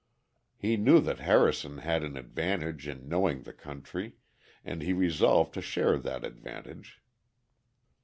He knew that Harrison had an advantage in knowing the country, and he resolved to share that advantage.